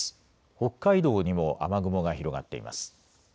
北海道にも雨雲が広がっています。